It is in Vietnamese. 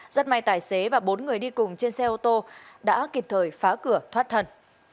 rất may tài xế và bốn người đi cùng trên xe ô tô đã kịp thời phá cửa thoát thần